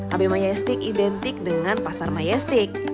ab mayastik identik dengan pasar mayastik